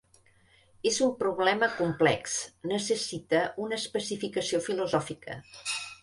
És un problema complex, necessite una especificació filosòfica.